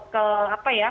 ketel apa ya